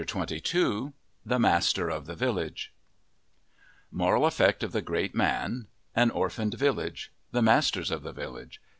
CHAPTER XXII THE MASTER OF THE VILLAGE Moral effect of the great man An orphaned village The masters of the village.